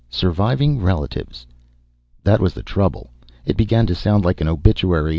Surviving relatives " That was the trouble, it began to sound like an obituary.